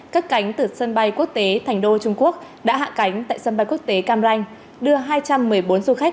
các cánh từ sân bay quốc tế thành đô trung quốc đã hạ cánh tại sân bay quốc tế cam ranh